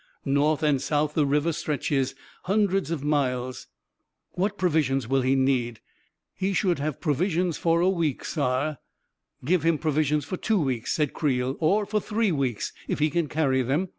" North and south the river stretches, hundreds of miles." " What provisions will he need? "" He should have provisions for a week, saar." " Give him provisions for two weeks," said Creel. " Or for three weeks, if he can carry them.